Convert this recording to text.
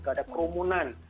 nggak ada kerumunan